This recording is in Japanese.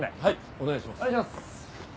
お願いします！